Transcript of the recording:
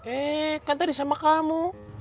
eh kan tadi sama kamu